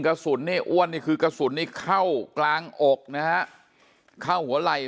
กระสุนนี่อ้วนนี่คือกระสุนนี่เข้ากลางอกนะฮะเข้าหัวไหล่